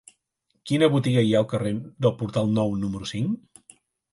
Quina botiga hi ha al carrer del Portal Nou número cinc?